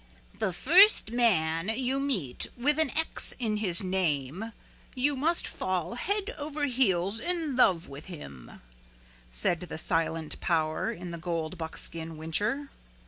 "The first man you meet with an X in his name you must fall head over heels in love with him," said the silent power in the gold buckskin whincher.